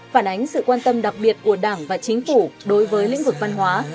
phản ánh sự quan tâm đặc biệt của đảng và chính phủ đối với lĩnh vực văn hóa